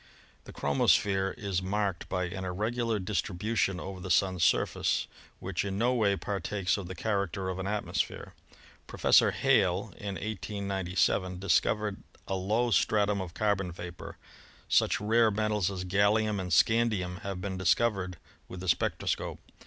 The chromosphere is marked by an irregular distribu tion over the Sun's surface, which in no way partakes of the character of an atmosphere. Professor Hale in 1897 SOLAR ENERGY 109 discovered a low stratum of carbon vapor. Such rare metals as gallium and scandium have been discovered with the spectroscope.